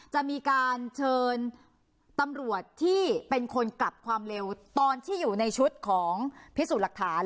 จะมีการเชิญตำรวจที่เป็นคนกลับความเร็วตอนที่อยู่ในชุดของพิสูจน์หลักฐาน